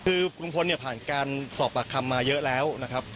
คือลุงพลเนี่ยผ่านการสอบปากคำมาเยอะแล้วนะครับ